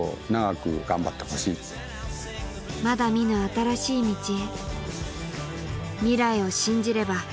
まだ見ぬ新しい道へ未来を信じれば